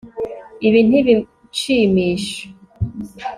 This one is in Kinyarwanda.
Ibi ntibinshimisha